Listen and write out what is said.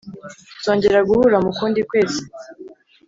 tuzongera guhura mukundi kwezi.